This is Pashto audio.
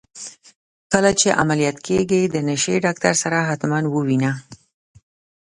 کله چي عمليات کيږې د نشې ډاکتر سره حتما ووينه.